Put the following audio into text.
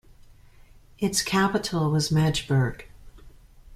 Its capital was Magdeburg.